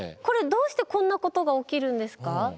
これどうしてこんなことが起きるんですか？